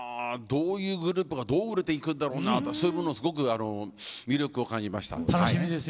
どういうグループがどう売れていくんだろうなってそういうものをすごく魅力を感じました。